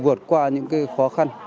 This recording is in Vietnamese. vượt qua những khó khăn